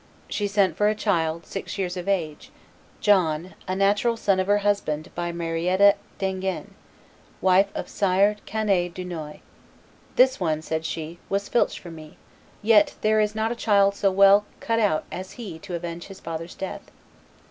She sent for a child, six years of age, John, a natural son of her husband by Marietta d'Enghien, wife of Sire de Cany Dunois. "This one," said she, "was filched from me; yet there is not a child so well cut out as he to avenge his father's death."